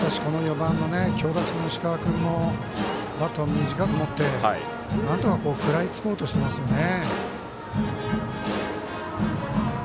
４番の強打者の石川君もバットを短く持ってなんとか食らいつこうとしていますよね。